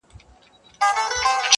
هغه په روغ زړه اگاه نه ده بيا يې وويله~